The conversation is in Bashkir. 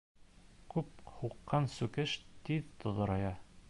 Күп һуҡҡан сүкеш тиҙ тоҙорая.